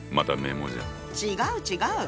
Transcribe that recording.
違う違う！